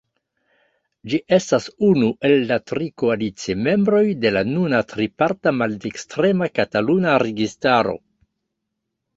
Ĝi estas unu el la tri koalicimembroj de la nuna triparta maldekstrema kataluna registaro.